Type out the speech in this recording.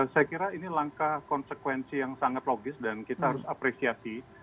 saya kira ini langkah konsekuensi yang sangat logis dan kita harus apresiasi